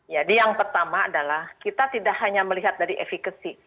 jadi yang pertama adalah kita tidak hanya melihat dari efekasi